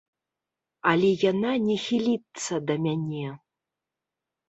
Але яна не хіліцца да мяне.